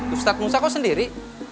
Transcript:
ustadz musa kok sendiri